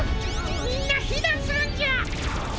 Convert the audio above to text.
みんなひなんするんじゃ！